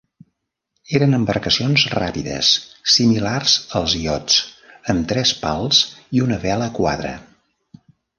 Eren embarcacions ràpides similars als iots, amb tres pals i una vela quadra.